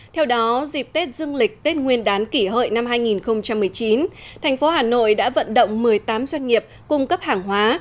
theo đó dịp tết dương lịch tết nguyên đán kỷ hợi năm hai nghìn một mươi chín thành phố hà nội đã vận động một mươi tám doanh nghiệp cung cấp hàng hóa